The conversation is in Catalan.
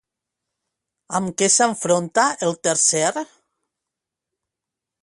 Amb què s'enfronta el tercer?